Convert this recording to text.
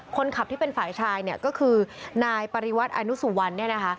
คนขับที่เป็นฝ่ายชายเนี่ยก็คือนายปริวัติอนุสุวรรณเนี่ยนะคะ